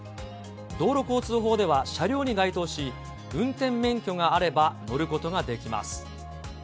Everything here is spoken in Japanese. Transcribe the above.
道路交通法では車両に該当し、運転免許があれば乗ることができます。